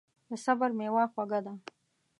د صبر میوه خوږه ده.